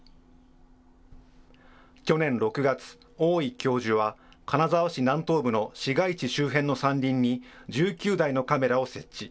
去年６月、大井教授は、金沢市南東部の市街地周辺の山林に１９台のカメラを設置。